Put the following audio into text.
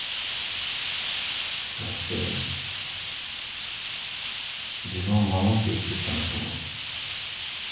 そうやって自分を守って生きてきたんだと思う。